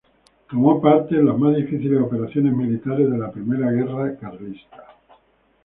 Tomó parte en las más difíciles operaciones militares de la Primera Guerra Carlista.